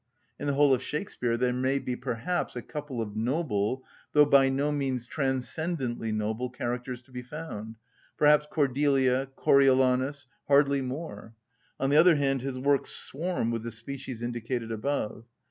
In the whole of Shakspeare there may be perhaps a couple of noble, though by no means transcendently noble, characters to be found; perhaps Cordelia, Coriolanus—hardly more; on the other hand, his works swarm with the species indicated above.